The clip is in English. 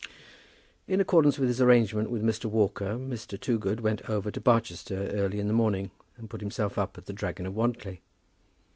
In accordance with his arrangement with Mr. Walker, Mr. Toogood went over to Barchester early in the morning and put himself up at "The Dragon of Wantly."